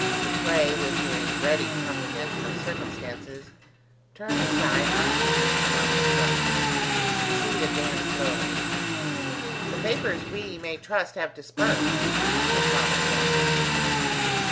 De Craye, with his ready comprehension of circumstances, turned aside unseen among the shrubs. She advanced slowly. "The vapours, we may trust, have dispersed?" her father hailed her.